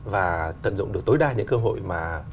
và tận dụng được tối đa những cơ hội mà